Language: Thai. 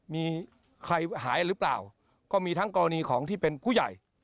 มีใครหายหรือเปล่าก็มีทั้งกรณีของที่เป็นผู้ใหญ่